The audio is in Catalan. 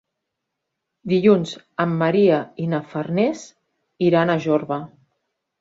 Dilluns en Maria i na Farners iran a Jorba.